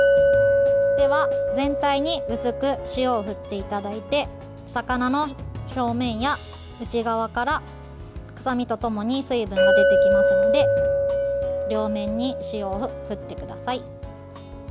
では、全体に薄く塩を振っていただいて魚の表面や内側から臭みとともに水分が出てきますので両面に塩を振ってください。